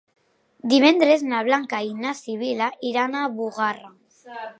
Divendres na Blanca i na Sibil·la iran a Bugarra.